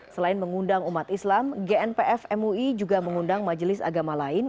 selain mengundang umat islam gnpf mui juga mengundang majelis agama lain